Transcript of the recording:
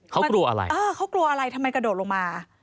เขากลัวอะไรเออเขากลัวอะไรทำไมกระโดดลงมา